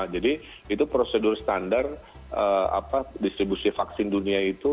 jadi itu prosedur standar distribusi vaksin dunia itu